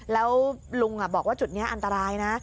แล้วลุงบอกว่าจุดนี้อันตรายนะ